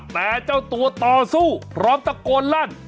แต่เจ้าตัวต่อสู้พร้อมตะโกนลั่น